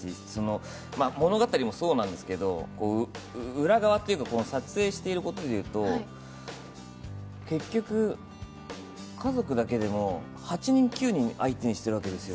物語もそうなんですけど、裏側というか、撮影していることでいうと、結局、家族だけでも８人、９人相手にしているわけですよ。